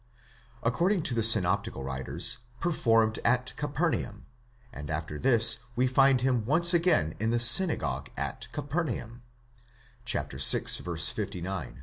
accor ding to the synoptical writers, performed at Capernaum, and after this we find him once again in the synagogue at Capernaum (vi. 59).